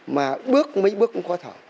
mà bước mấy bước cũng khó thở